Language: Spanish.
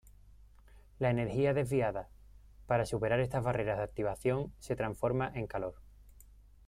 La energía desviada para superar estas barreras de activación se transforma en calor.